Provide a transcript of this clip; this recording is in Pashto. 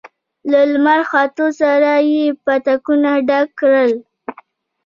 له لمر ختو سره يې پتکونه ډک کړل.